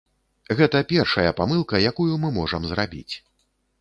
Гэта першая памылка, якую мы можам зрабіць.